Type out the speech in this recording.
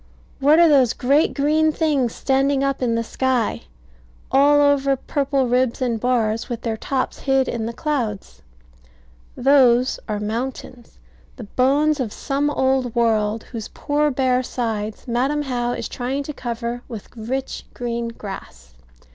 What are those great green things standing up in the sky, all over purple ribs and bars, with their tops hid in the clouds? Those are mountains; the bones of some old world, whose poor bare sides Madam How is trying to cover with rich green grass.